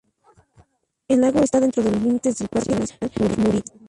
El lago está dentro de los límites del Parque nacional Müritz.